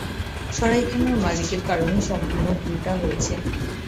সরাইখানার মালিকের কারণে সম্পুর্ণ ভুলটা হয়েছে।